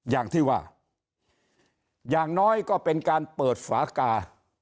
อย่างที่ว่าอย่างน้อยก็เป็นการเปิดฝากา